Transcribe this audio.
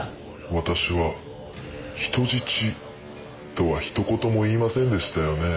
私は「人質」とはひと言も言いませんでしたよね。